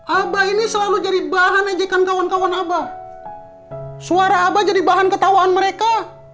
abah ini selalu jadi bahan ejekan kawan kawan aba suara abah jadi bahan ketawaan mereka